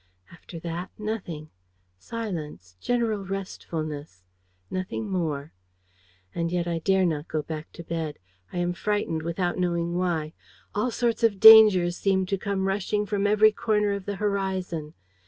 "After that, nothing. Silence, general restfulness. Nothing more. And yet I dare not go back to bed. I am frightened, without knowing why. All sorts of dangers seem to come rushing from every corner of the horizon.